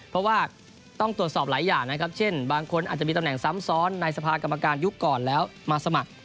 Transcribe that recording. เพราะว่าต้องตรวจสอบหลายอย่างนะครับเช่นบางคนอาจจะมีตำแหน่งซ้ำซ้อนในสภากรรมการยุคก่อนแล้วมาสมัคร